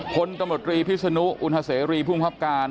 คนตำรวจรีพิษศนุอุณหศรีภูมิภาพการ